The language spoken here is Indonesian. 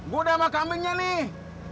gua dama kambingnya nih